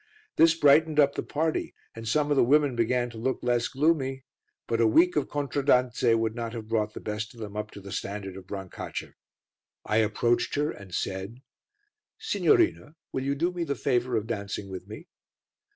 This brightened up the party, and some of the women began to look less gloomy, but a week of contraddanze would not have brought the best of them up to the standard of Brancaccia. I approached her and said "Signorina, will you do me the favour of dancing with me?"